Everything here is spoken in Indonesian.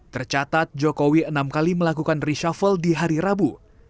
tercatat jokowi enam kali melakukan reshuffle di hari rabu